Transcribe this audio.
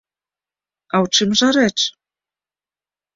А ў чым жа рэч?